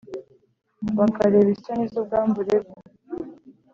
bakareba isoni z’ubwambure bwe